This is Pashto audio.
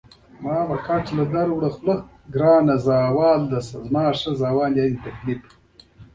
کوربه د میلمه ژبه درک کوي.